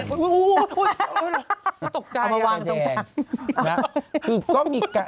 เอามาวางกันตรงกลางนะครับคือก็มีการ